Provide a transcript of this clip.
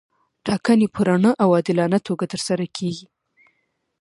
ټاکنې په رڼه او عادلانه توګه ترسره کیږي.